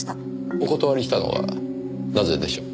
お断りしたのはなぜでしょう。